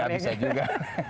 nggak bisa juga